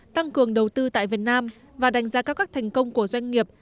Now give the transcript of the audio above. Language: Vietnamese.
tăng cường đầu tư tại việt nam và đánh giá cao các thành công của doanh nghiệp